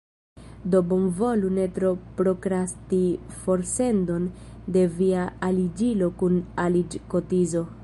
Do bonvolu ne tro prokrasti forsendon de via aliĝilo kun aliĝkotizo.